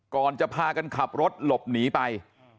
ก่อนจะพากันขับรถหลบหนีไป